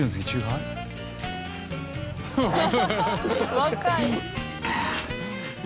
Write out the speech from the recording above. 若い。